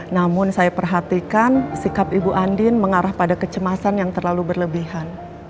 namun saya perhatikan sikap ibu andin mengarah pada kecemasan yang terlalu berlebihan